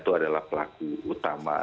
itu adalah pelaku utama